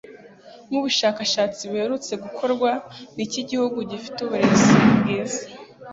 Nk’ubushakashatsi buherutse gukorwa Niki gihugu gifite uburezi bwiza,